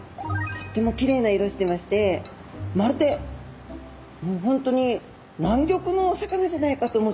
とってもきれいな色してましてまるでもう本当に南国のお魚じゃないかと思っちゃうぐらい